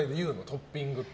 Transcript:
トッピングって。